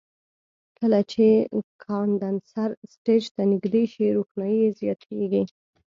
کله چې کاندنسر سټیج ته نږدې شي روښنایي یې زیاتیږي.